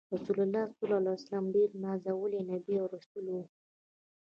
رسول الله ص د الله ډیر نازولی نبی او رسول وو۔